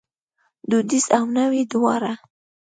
دودیزه او نوې دواړه